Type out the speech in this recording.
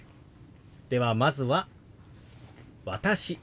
ではまずは「私」。